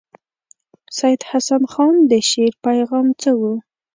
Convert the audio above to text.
سید حسن خان د شعر پیغام څه وو.